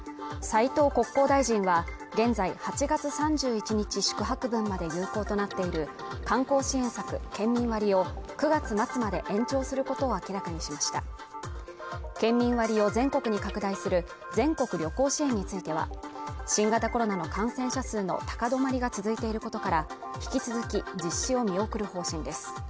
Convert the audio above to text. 斉藤国交大臣は現在８月３１日宿泊分まで有効となっている観光支援策県民割を９月末まで延長することを明らかにしました県民割を全国に拡大する全国旅行支援については新型コロナの感染者数の高止まりが続いていることから引き続き実施を見送る方針です